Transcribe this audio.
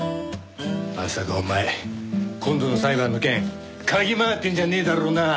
まさかお前今度の裁判の件嗅ぎ回ってるんじゃねえだろうな？